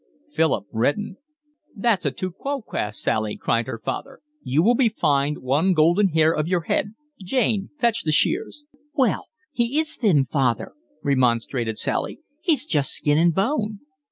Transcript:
Philip reddened. "That's a tu quoque, Sally," cried her father. "You will be fined one golden hair of your head. Jane, fetch the shears." "Well, he is thin, father," remonstrated Sally. "He's just skin and bone."